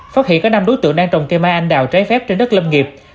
phát hiện có năm đối tượng đang trồng cây mai anh đào trái phép trên đất lâm nghiệp